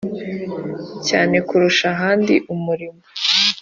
Cyane kurusha ahandi umurimo